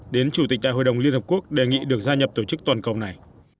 đến chủ tịch đại hội đồng liên hợp quốc đề nghị được gia nhập tổ chức toàn cầu này